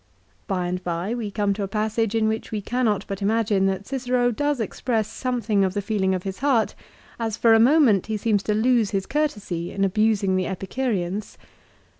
3 By and by we come to a passage in which we cannot but imagine that Cicero does express something of the feeling of his heart, as for a moment he seems to lose his courtesy in abusing the Epicureans.